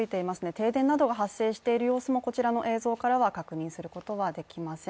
停電なども発生している様子もこちらからは確認することはできません。